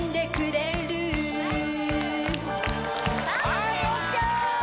はいＯＫ